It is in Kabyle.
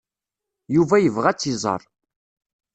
Yuba yebɣa ad tt-iẓer.